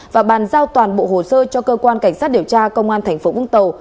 và bàn giao toàn bộ hồ sơ cho cơ quan cảnh sát điều tra công an tp vũng tàu